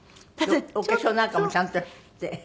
お化粧なんかもちゃんとして。